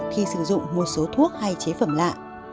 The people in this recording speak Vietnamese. khi sử dụng một số thuốc hay chế phẩm lạ